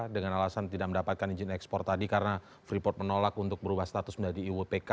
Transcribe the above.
dengan alasan tidak mendapatkan izin ekspor tadi karena freeport menolak untuk berubah status menjadi iwpk